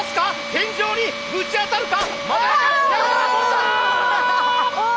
天井にぶち当たるか？